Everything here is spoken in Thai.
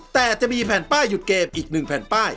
แต่จะมีแผ่นป้ายหยุดเกมอีก๑แผ่นป้าย